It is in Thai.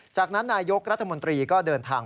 จากนั้นนายกรัฐมนตรีก็เดินทาง